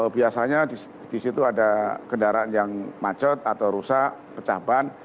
biasanya di situ ada kendaraan yang macet atau rusak pecah ban